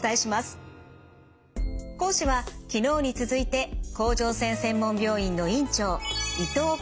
講師は昨日に続いて甲状腺専門病院の院長